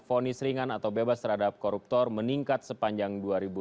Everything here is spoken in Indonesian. vonis ringan atau bebas terhadap koruptor meningkat sepanjang dua ribu enam belas